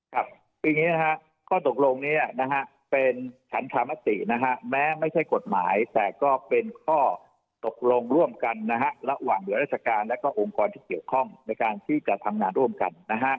ครับคืออย่างนี้นะฮะข้อตกลงนี้นะฮะเป็นฉันธรรมตินะฮะแม้ไม่ใช่กฎหมายแต่ก็เป็นข้อตกลงร่วมกันนะฮะระหว่างเหนือราชการและก็องค์กรที่เกี่ยวข้องในการที่จะทำงานร่วมกันนะฮะ